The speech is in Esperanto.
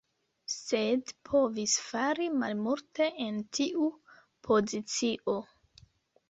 Sed povis fari malmulte en tiu pozicio.